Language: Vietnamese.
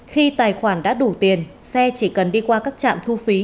khi tài khoản đã đủ tiền xe chỉ cần đi qua các trạm thu phí